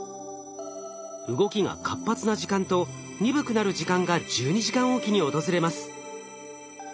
動きが活発な時間と鈍くなる時間が１２時間おきに訪れます。